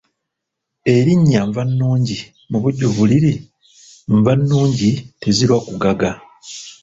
Erinnya Nvannungi mubujjuvu liri Nvannungi tezirwa kugaga.